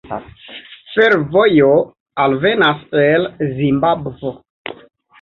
Fervojo alvenas el Zimbabvo.